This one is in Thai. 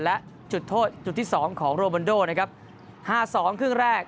และจุดโทษจุดที่สองของโรมันโดนะครับห้าสองครึ่งแรก